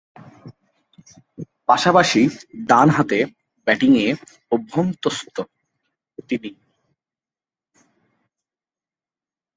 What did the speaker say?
পাশাপাশি ডানহাতে ব্যাটিংয়ে অভ্যস্ত তিনি।